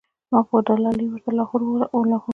ما پۀ “دلائي” ورته لاهور او لګوو